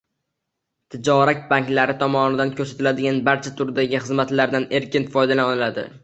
tijorat banklari tomonidan ko‘rsatiladigan barcha turdagi xizmatlardan erkin foydalana oladi.